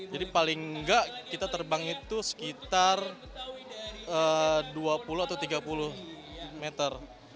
jadi paling nggak kita terbang itu sekitar dua puluh atau tiga puluh meter